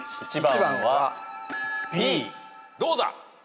どうだ？